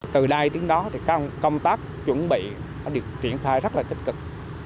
từ nay đến đó thì công tác chuẩn bị đã được triển khai rất là tích cực